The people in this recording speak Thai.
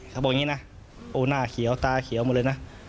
เขาบอกอย่างนี้นะโอ้หน้าเขียวตาเขียวหมดเลยนะ